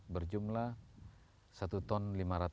berjumlah satu lima ratus ton